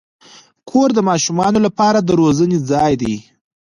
کور د ماشومانو لپاره د روزنې ځای دی.